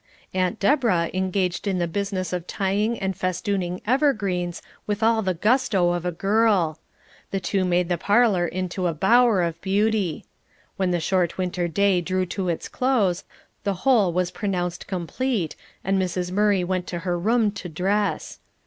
Aunt Deborah engaged in the business of tying and festooning evergreens with all the gusto of a girl; the two made the parlour into a bower of beauty. When the short winter day drew to its close, the whole was pronounced complete, and Mrs. Murray went to her room to dress.